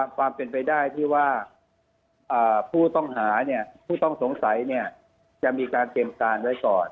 ความเป็นไปได้ที่ว่าผู้ต้องหาผู้ต้องสงสัยจะมีการเตรียมการไว้ก่อน